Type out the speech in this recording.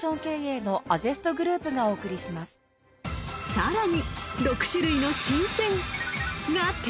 ［さらに］